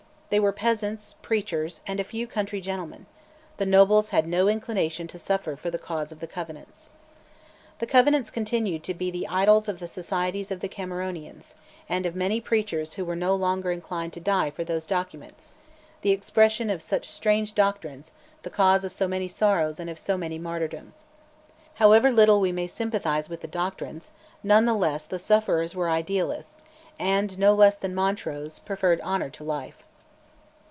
They were peasants, preachers, and a few country gentlemen: the nobles had no inclination to suffer for the cause of the Covenants. The Covenants continued to be the idols of the societies of Cameronians, and of many preachers who were no longer inclined to die for these documents, the expression of such strange doctrines, the causes of so many sorrows and of so many martyrdoms. However little we may sympathise with the doctrines, none the less the sufferers were idealists, and, no less than Montrose, preferred honour to life.